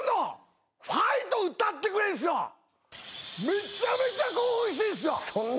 めちゃめちゃ興奮してんすよ。